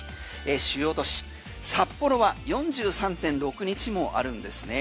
主要都市、札幌は４３．６日もあるんですね。